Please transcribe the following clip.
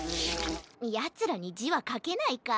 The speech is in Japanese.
ヤツらにじはかけないか。